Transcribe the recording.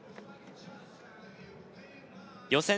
予選